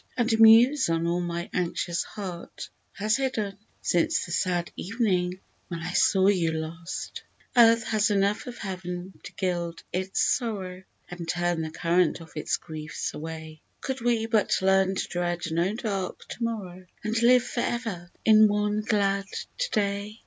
And muse on all my anxious heart has hidden Since the sad ev'ning when I saw you last !" Do not forget Me!'' 31 Earth has enough of heav'n to gild its sorrow And turn the current of its griefs away, Could we but learn to dread no dark To morrow, And live for ever in one glad To day